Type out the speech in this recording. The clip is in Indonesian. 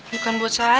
bukan buat saya